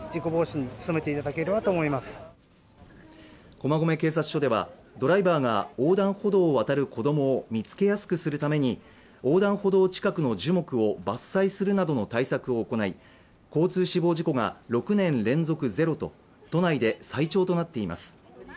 駒込警察署ではドライバーが横断歩道を渡る子供を見つけやすくするために横断歩道近くの樹木を伐採するなどの対策を行い、交通死亡事故が６年連続ゼロと都内で最長となっています。